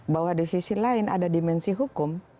bahwa di sisi lain ada dimensi hukum